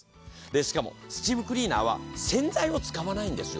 しかもスチームクリーナーは洗剤を使わないんですよ。